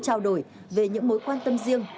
trao đổi về những mối quan tâm riêng